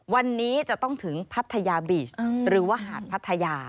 วันนี้จะต้องถึงพัทยาบีชหรือว่าหาดพัทยา